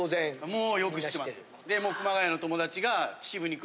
もうよく知ってます。